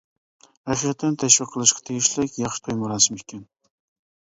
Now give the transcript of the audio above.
ھەقىقەتەن تەشۋىق قىلىشقا تېگىشلىك ياخشى توي مۇراسىمى ئىكەن.